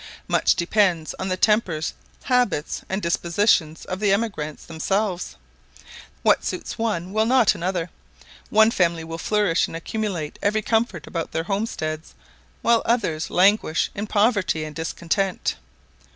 Much depends on the tempers, habits, and dispositions of the emigrants themselves. What suits one will not another; one family will flourish, and accumulate every comfort about their homesteads, while others languish in poverty and discontent.